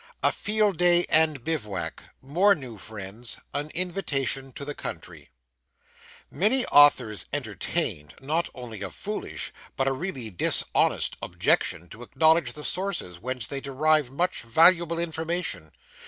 A FIELD DAY AND BIVOUAC MORE NEW FRIENDS AN INVITATION TO THE COUNTRY Many authors entertain, not only a foolish, but a really dishonest objection to acknowledge the sources whence they derive much valuable information.